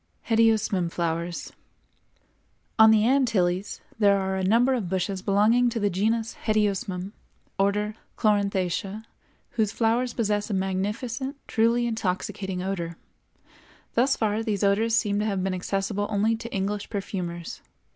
=Hedyosmum Flowers.= On the Antilles there are a number of bushes belonging to the Genus Hedyosmum, Order Chloranthaceæ, whose flowers possess a magnificent, truly intoxicating odor. Thus far these odors seem to have been accessible only to English perfumers.